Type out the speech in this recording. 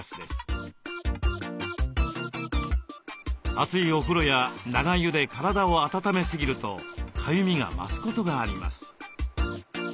熱いお風呂や長湯で体を温めすぎるとかゆみが増すことがあります。